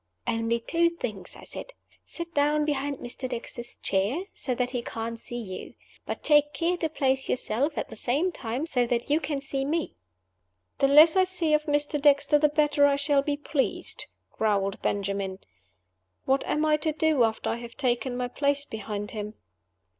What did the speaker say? "Only two things," I said. "Sit down behind Mr. Dexter's chair, so that he can't see you. But take care to place yourself, at the same time, so that you can see me." "The less I see of Mr. Dexter the better I shall be pleased," growled Benjamin. "What am I to do after I have taken my place behind him?"